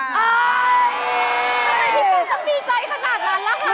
อะไรที่ตูนต้องดีใจขนาดนั้นเหรอคะ